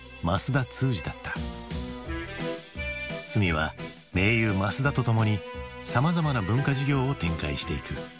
堤は盟友増田とともにさまざまな文化事業を展開していく。